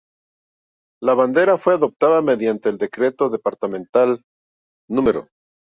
La bandera fue adoptada mediante el decreto departamental No.